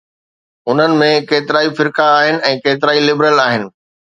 انهن ۾ ڪيترائي فرقا آهن ۽ ڪيترائي لبرل آهن.